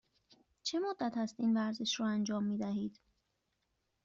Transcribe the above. چه مدت است این ورزش را انجام می دهید؟